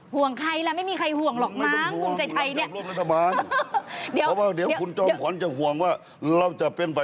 ห่วงใครล่ะไม่มีใครห่วงหรอกมั้งภูมิใจไทยเนี่ย